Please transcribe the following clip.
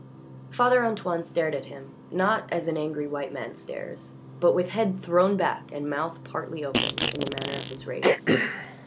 Father Antoine stared at him, not as an angry white man stares, but with head thrown back and mouth partly open, in the manner of his race.